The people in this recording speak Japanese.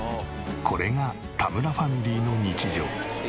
これが田村ファミリーの日常。